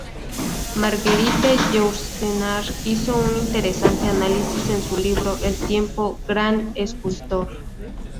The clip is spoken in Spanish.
Marguerite Yourcenar hizo un interesante análisis en su libro "El tiempo, gran escultor".